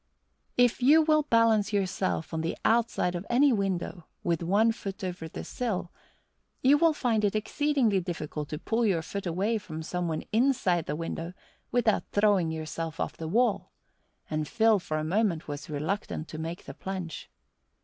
If you will balance yourself on the outside of any window with one foot over the sill, you will find it exceedingly difficult to pull your foot away from some one inside the window without throwing yourself off the wall, and Phil for the moment was reluctant to make the plunge.